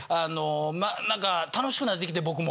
何か楽しくなってきて僕も。